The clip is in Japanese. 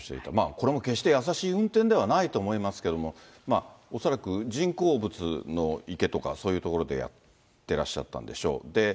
これも決して易しい運転ではないと思いますけど、恐らく人工物の池とか、そういう所でやってらっしゃったんでしょう。